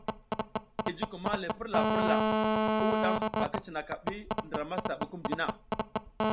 I jukum hang le purla purla i wudam ba ki cinaka bi ndra masa bukumdina.